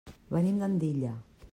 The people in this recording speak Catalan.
Venim d'Andilla.